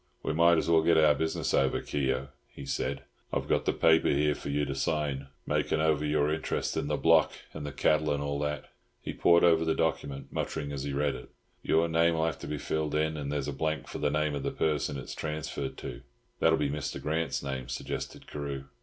"We might as well get our business over, Keogh," he said. "I've got the paper here for you to sign, making over your interest in the block and the cattle, and all that." He pored over the document, muttering as he read it. "Your name'll have to be filled in, and there's a blank for the name of the person it's transferred to." "That'll be Mr. Grant's name," suggested Carew.